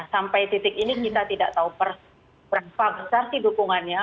sampai titik ini kita tidak tahu berapa besar sih dukungannya